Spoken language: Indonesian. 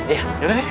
ya udah deh